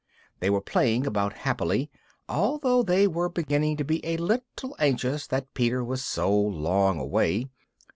They were playing about happily, although they were beginning to be a little anxious that Peter was so long away.